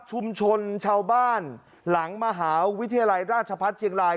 ชุมชนชาวบ้านหลังมหาวิทยาลัยราชพัฒน์เชียงราย